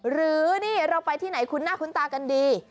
หรือนี่เราไปที่ไหนคุ้นหน้าคุ้นตากันดี